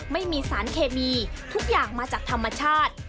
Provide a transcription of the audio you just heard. ไม่มีสารเคมีทุกอย่างมาจากธรรมชาติ